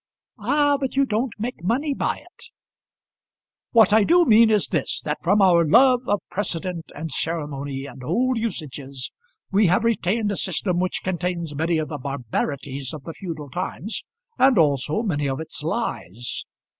"Ah, but you don't make money by it." "What I do mean is this, that from our love of precedent and ceremony and old usages, we have retained a system which contains many of the barbarities of the feudal times, and also many of its lies.